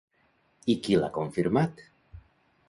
I qui l'ha confirmat?